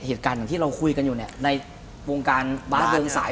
เหตุการณ์ที่เราคุยกันอยู่ในวงการบ้านเกิงสาย